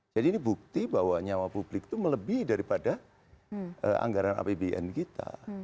jadi ini bukti bahwa nyawa publik itu melebih daripada anggaran apbn kita